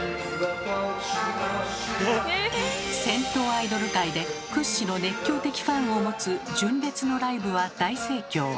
銭湯アイドル界で屈指の熱狂的ファンを持つ純烈のライブは大盛況！